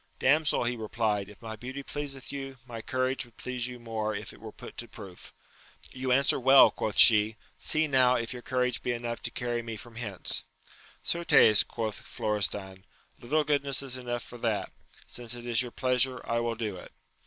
Damsel, he replied, if my beauty pleaseth yon, my courage would please you more if it were put to proof. You answer well, quoth she : see now, if your courage be enough to carry me from hence.— Certes, quoth Florestan, little goodness is enough for that ; since it is your pleasure, I will do it.